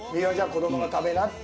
子供が食べなって。